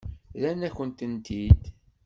Rran-akent-tent-id.